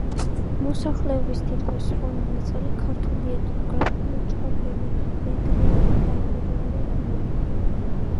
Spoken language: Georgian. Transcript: მოსახლეობის თითქმის სრული ნაწილი ქართული ეთნოგრაფიული ჯგუფები, მეგრელები და იმერლები არიან.